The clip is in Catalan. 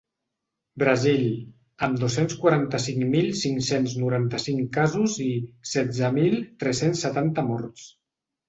Brasil, amb dos-cents quaranta-cinc mil cinc-cents noranta-cinc casos i setze mil tres-cents setanta morts.